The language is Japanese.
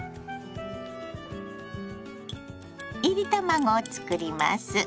いり卵を作ります。